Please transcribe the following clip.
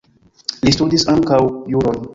Li studis ankaŭ juron.